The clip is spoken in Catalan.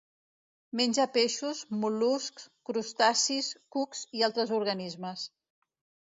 Menja peixos, mol·luscs, crustacis, cucs i altres organismes.